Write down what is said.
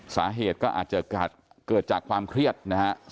สาเหตุก็อาจจะเกิดจากความเครียดนะฮะ